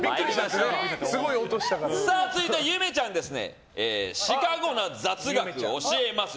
続いて、ゆめちゃんはシカゴな雑学教えます。